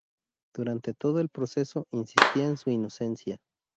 Durante todo el proceso, insistía en su inocencia.